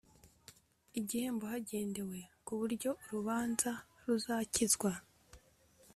igihembo hagendewe ku buryo urubanza ruzakizwa